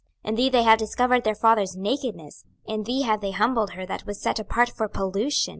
26:022:010 In thee have they discovered their fathers' nakedness: in thee have they humbled her that was set apart for pollution.